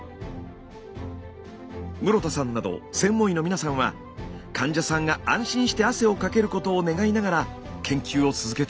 室田さんなど専門医の皆さんは患者さんが安心して汗をかけることを願いながら研究を続けています。